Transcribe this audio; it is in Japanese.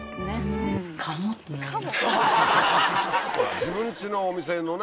自分ちのお店のね